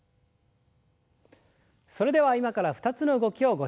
それでは今から２つの動きをご紹介します。